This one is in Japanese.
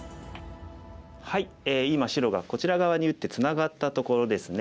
今白がこちら側に打ってツナがったところですね。